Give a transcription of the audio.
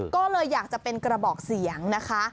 ก็เลยอยากจะเป็นกระบอกเสียงนะคะ